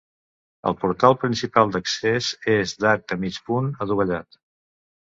El portal principal d'accés és d'arc de mig punt, adovellat.